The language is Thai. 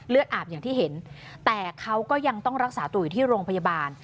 อาบอย่างที่เห็นแต่เขาก็ยังต้องรักษาตัวอยู่ที่โรงพยาบาล